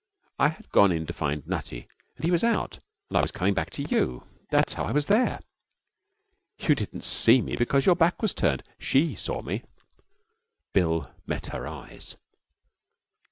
I had gone in to find Nutty, and he was out, and I was coming back to you. That's how I was there. You didn't see me because your back was turned. She saw me.' Bill met her eyes.